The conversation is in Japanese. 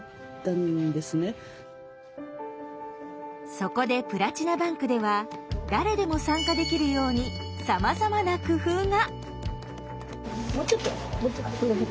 そこで「プラチナバンク」では誰でも参加できるようにさまざまな工夫が。